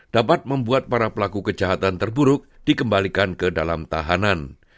dapat membuat para pelaku kejahatan terburuk dikembalikan ke dalam tahanan